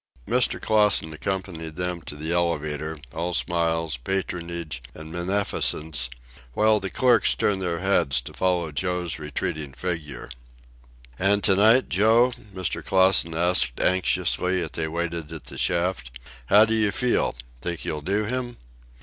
Mr. Clausen accompanied them to the elevator, all smiles, patronage, and beneficence, while the clerks turned their heads to follow Joe's retreating figure. "And to night, Joe?" Mr. Clausen asked anxiously, as they waited at the shaft. "How do you feel? Think you'll do him?"